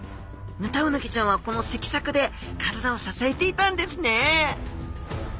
ヌタウナギちゃんはこの脊索で体を支えていたんですね